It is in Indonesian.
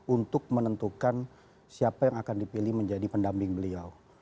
untuk menentukan siapa yang akan dipilih menjadi pendamping beliau